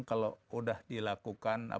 kalau sudah dilakukan